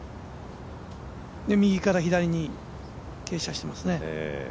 右から左に傾斜していますね。